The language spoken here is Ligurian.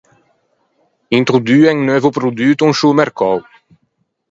Introdue un neuvo produto in sciô mercou.